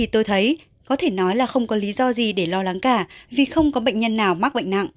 tôi thấy có thể nói là không có lý do gì để lo lắng cả vì không có bệnh nhân nào mắc bệnh nặng